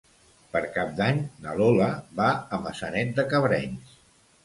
Per Cap d'Any na Lola va a Maçanet de Cabrenys.